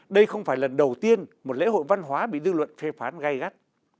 đây không phải lần đầu tiên một lễ hội văn hóa bị dư luận phê phán gay gắt